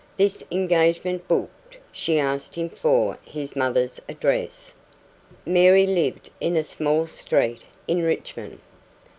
This engagement booked, she asked him for his mother's address. Mary lived in a small street in Richmond.